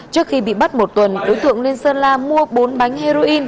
trước khi bị bắt một tuần đối tượng lên sơn la mua bốn bánh heroin